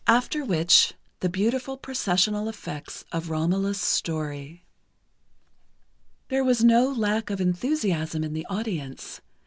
After which, the beautiful processional effects of Romola's story. [Illustration: "ROMOLA"] There was no lack of enthusiasm in the audience.